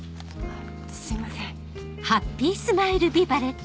すいません。